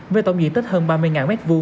với tổng diện tích hơn ba mươi m hai